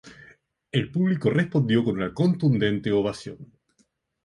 El público respondió con una contundente ovación.